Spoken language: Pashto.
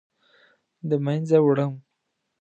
د مینځه وړم